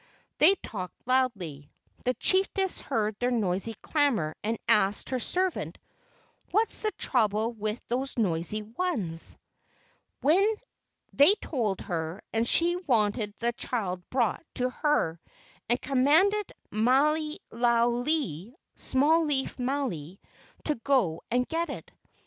They talked loudly. This chiefess heard their noisy clamor and asked her servant, "What's the trouble with these noisy ones?" They told her and she wanted that child brought to her, and commanded Maile lau lii (Small leaf made) to go and get it.